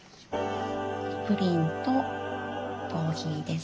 プリンとコーヒーです。